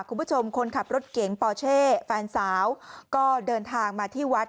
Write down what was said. คุณผู้ชมคนขับรถเก๋งปอเช่แฟนสาวก็เดินทางมาที่วัด